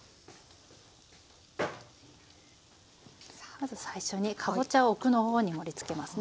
まず最初にかぼちゃを奥の方に盛りつけますね。